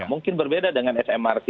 mungkin berbeda dengan smrc